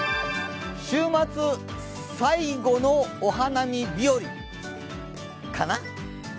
週末、最後のお花見日和かな？